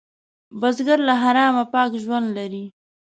بزګر له حرامه پاک ژوند لري